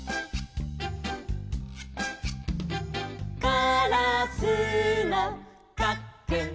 「カラスのかっくん」